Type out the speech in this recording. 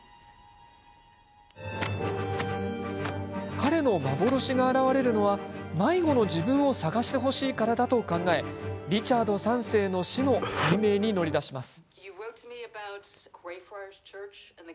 彼の幻が現れるのは迷子の自分を捜してほしいからだと考えリチャード３世の死の解明に乗り出します。